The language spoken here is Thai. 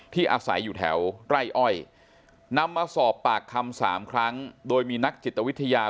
อาศัยอยู่แถวไร่อ้อยนำมาสอบปากคำ๓ครั้งโดยมีนักจิตวิทยา